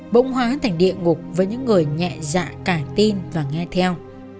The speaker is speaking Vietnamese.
bông hóa thành địa ngục với những người nhẹ dạ cả tin và nghe theo